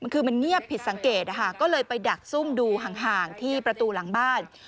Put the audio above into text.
คือมันเงียบผิดสังเกตก็เลยไปดักซุ่มดูห่างที่ประตูหลังบ้าน